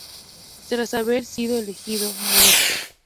Tras haber sido elegido "Mr.